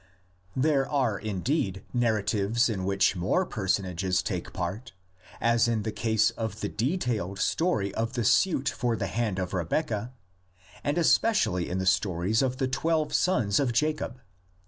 There are indeed narratives in which more person ages take part, as in the case of the detailed story of the suit for the hand of Rebeccah, and especially in the stories of the twelve sons of Jacob.